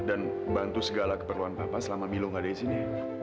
dan bantu segala keperluan papa selama milo nggak ada di sini